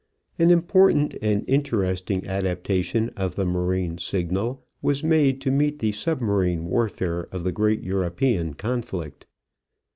An important and interesting adaptation of the marine signal was made to meet the submarine warfare of the great European conflict.